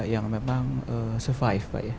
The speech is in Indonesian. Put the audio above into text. yang memang survive pak ya